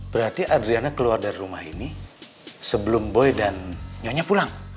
berarti adriana keluar dari rumah ini sebelum boy dan nyonya pulang